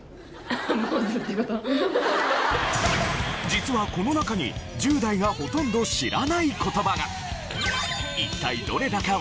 実はこの中に１０代がほとんど知らない言葉が！